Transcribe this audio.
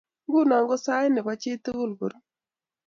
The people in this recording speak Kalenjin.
Nguno ko sait nebo chi age tugul ko ru